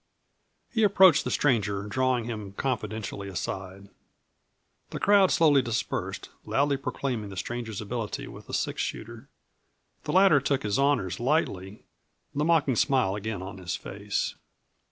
He approached the stranger, drawing him confidentially aside. The crowd slowly dispersed, loudly proclaiming the stranger's ability with the six shooter. The latter took his honors lightly, the mocking smile again on his face.